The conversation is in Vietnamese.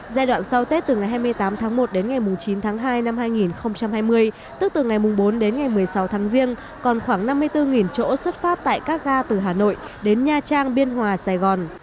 giai đoạn sau tết từ ngày hai mươi tám tháng một đến ngày chín tháng hai năm hai nghìn hai mươi tức từ ngày bốn đến ngày một mươi sáu tháng riêng còn khoảng năm mươi bốn chỗ xuất phát tại các ga từ hà nội đến nha trang biên hòa sài gòn